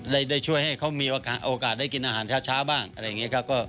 ได้ช่วยให้เขามีโอกาสได้กินอาหารช้าบ้าง